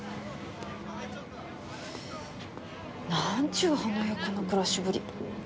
なんちゅう華やかな暮らしぶり。